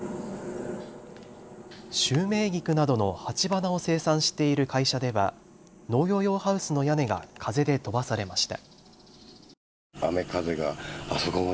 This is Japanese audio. シュウメイギクなどの鉢花を生産している会社では農業用ハウスの屋根が風で飛ばされました。